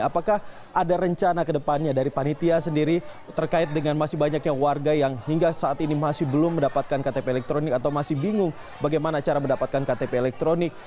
apakah ada rencana ke depannya dari panitia sendiri terkait dengan masih banyaknya warga yang hingga saat ini masih belum mendapatkan ktp elektronik atau masih bingung bagaimana cara mendapatkan ktp elektronik